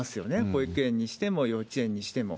保育園にしても、幼稚園にしても。